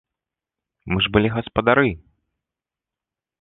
Мы ж былі гаспадары!